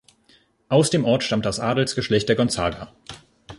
Aus dem Ort stammt das Adelsgeschlecht der Gonzaga.